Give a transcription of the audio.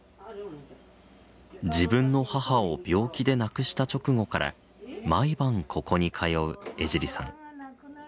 自分の母を病気で亡くした直後から毎晩ここに通う江尻さん。